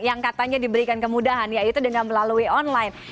yang katanya diberikan kemudahan yaitu dengan melalui online